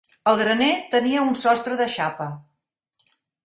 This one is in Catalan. El graner tenia un sostre de xapa.